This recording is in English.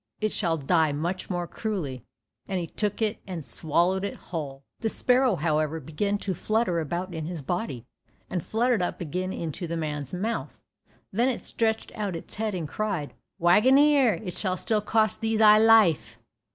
It shall die much more cruelly," and he took it and swallowed it whole. The sparrow, however, began to flutter about in his body, and fluttered up again into the man's mouth; then it stretched out its head, and cried, "Waggoner, it shall still cost thee thy life."